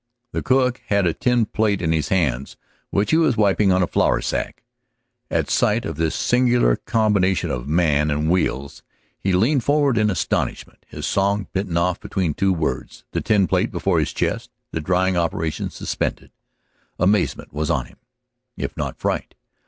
The cook had a tin plate in his hands, which he was wiping on a flour sack. At sight of this singular combination of man and wheels he leaned forward in astonishment, his song bitten off between two words, the tin plate before his chest, the drying operations suspended. Amazement was on him, if not fright.